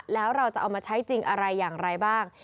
แล้วเราจะเอามาใช้จริงอะไรอย่างไรบ้าง